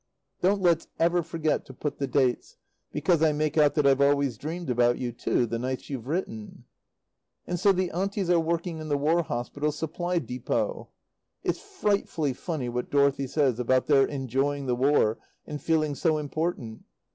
Don't let's ever forget to put the dates, because I make out that I've always dreamed about you, too, the nights you've written. And so the Aunties are working in the War Hospital Supply Depôt? It's frightfully funny what Dorothy says about their enjoying the War and feeling so important.